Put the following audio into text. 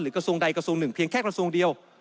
กระทรวงใดกระทรวงหนึ่งเพียงแค่กระทรวงเดียว